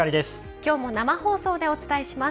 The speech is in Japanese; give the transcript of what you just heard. きょうも生放送でお伝えします。